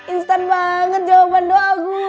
instant banget jawaban doa gue